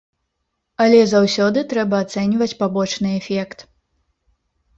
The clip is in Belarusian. Але заўсёды трэба ацэньваць пабочны эфект.